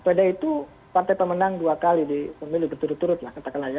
pada itu partai pemenang dua kali di pemilih berturut turut lah